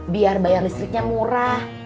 biar bayar listriknya murah